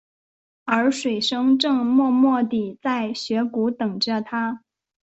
而水笙正默默地在雪谷等着他。